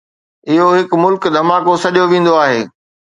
اهو هڪ ڌماڪو سڏيو ويندو آهي.